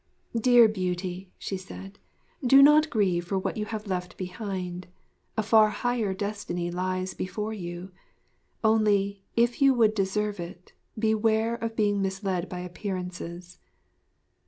'Dear Beauty,' she said, 'do not grieve for what you have left behind; a far higher destiny lies before you. Only, if you would deserve it, beware of being misled by appearances.'